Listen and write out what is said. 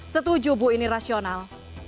setuju bu ini rasional